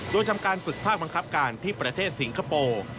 โดยทำการฝึกภาคบังคับการที่ประเทศสิงคโปร์